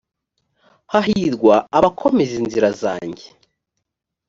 hahirwa abakomeza inzira zanjye .